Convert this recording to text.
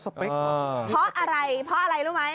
เพราะอะไรเพราะอะไรรู้ไหม